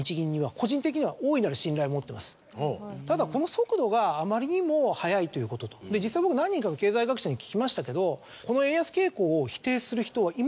ただこの速度があまりにも速いということと実際僕何人かの経済学者に聞きましたけどこの。